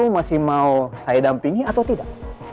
masih mau saya dampingi atau tidak